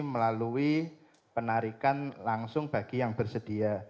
melalui penarikan langsung bagi yang bersedia